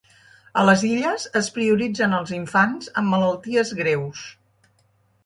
A les Illes es prioritzen els infants amb malalties greus.